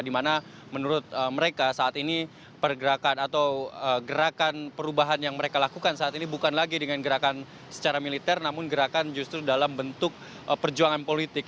dimana menurut mereka saat ini pergerakan atau gerakan perubahan yang mereka lakukan saat ini bukan lagi dengan gerakan secara militer namun gerakan justru dalam bentuk perjuangan politik